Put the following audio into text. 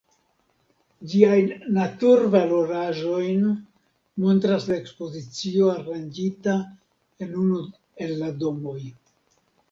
Ĝiajn natur-valoraĵojn montras la ekspozicio aranĝita en unu el la domoj.